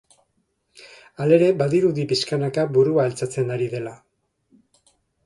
Halere badirudi pixkanaka burua altxatzen ari dela.